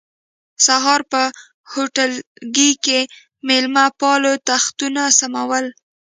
سهار په هوټلګي کې مېلمه پالو تختونه سمول.